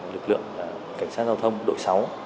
lực lượng cảnh sát giao thông đội sáu